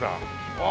ああ！